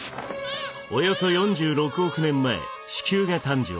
およそ４６億年前地球が誕生。